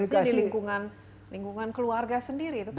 juga di lingkungan keluarga sendiri